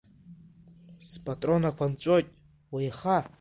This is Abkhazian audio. Спатронақәа нҵәоит, уеиха!